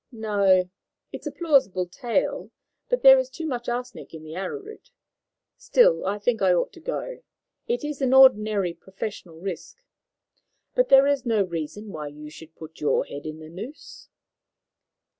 "No. It is a plausible tale, but there is too much arsenic in that arrowroot. Still, I think I ought to go. It is an ordinary professional risk. But there is no reason why you should put your head into the noose."